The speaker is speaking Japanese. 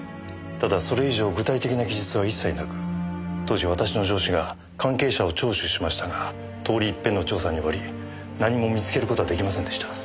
ただそれ以上具体的な記述は一切なく当時私の上司が関係者を聴取しましたが通り一遍の調査に終わり何も見つける事は出来ませんでした。